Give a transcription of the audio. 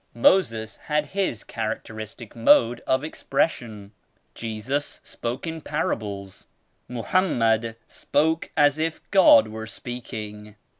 Moses had His characteristic mode of expression; Jesus spoke in parables ; Mohammed spoke as if God were speaking.